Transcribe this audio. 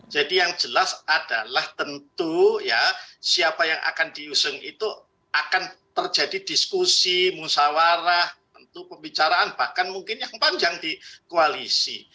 jadi yang jelas adalah tentu ya siapa yang akan diusung itu akan terjadi diskusi musawarah tentu pembicaraan bahkan mungkin yang panjang di koalisi